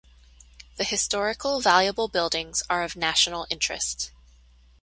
The historical valuable buildings are of national interest.